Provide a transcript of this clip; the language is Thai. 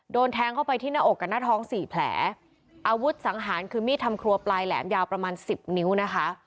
โดนแทงเข้าไปที่หน้าอกกับหน้าท้องสี่แผลอาวุธสังหารคือมีดทำครัวปลายแหลมยาวประมาณสิบนิ้วนะคะ